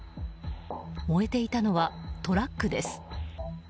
燃えていたのはトラックです。